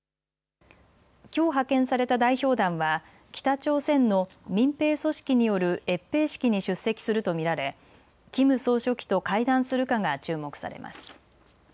きょう派遣された代表団は北朝鮮の民兵組織による閲兵式に出席すると見られ、キム総書記と会談するかが注目されます。